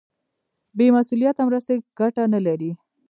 بې مسولیته مرستې ګټه نه لري.